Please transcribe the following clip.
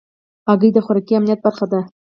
هګۍ د خوراکي امنیت برخه ده.